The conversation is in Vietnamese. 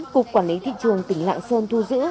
cục quản lý thị trường tỉnh lạng sơn thu giữ